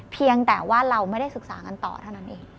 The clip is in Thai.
เพียงแต่ว่าเราไม่ได้ศึกษากันต่อเท่านั้นเอง